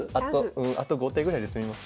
あと５手ぐらいで詰みます。